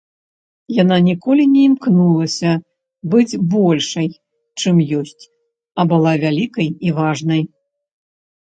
Яна ніколі не імкнулася быць большай, чым ёсць, а была вялікай і важнай.